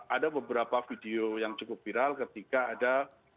ada beberapa video yang cukup viral ketika ada